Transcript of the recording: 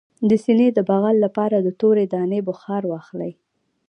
د سینې د بغل لپاره د تورې دانې بخار واخلئ